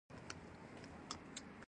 • دا قوم له خپل ناموس څخه دفاع کوي.